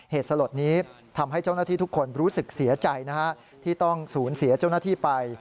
เหตุสลดนี้ทำให้เจ้าหน้าที่ทุกคนรู้สึกเสียใจนะฮะที่ต้องสูญเสียเจ้าหน้าที่ไป